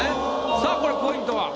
さあこれポイントは？